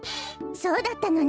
そうだったのね。